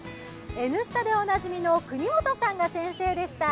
「Ｎスタ」でおなじみの國本さんが先生でした。